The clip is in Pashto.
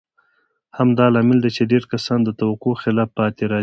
همدا لامل دی چې ډېر کسان د توقع خلاف پاتې راځي.